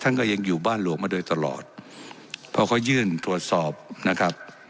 ก็ยังอยู่บ้านหลวงมาโดยตลอดพอเขายื่นตรวจสอบนะครับ